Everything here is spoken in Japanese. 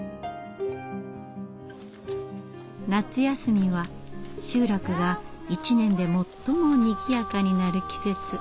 夏休みは集落が一年で最もにぎやかになる季節。